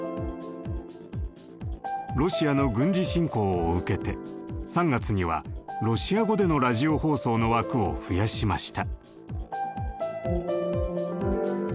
ロシアの軍事侵攻を受けて３月にはロシア語でのラジオ放送の枠を増やしました。